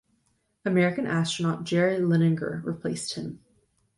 American astronaut Jerry Linenger replaced him.